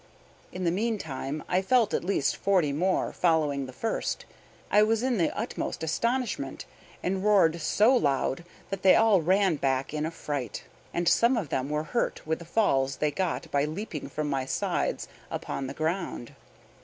In the meantime I felt at least forty more following the first. I was in the utmost astonishment, and roared so loud that they all ran back in a fright; and some of them were hurt with the falls they got by leaping from my sides upon the ground.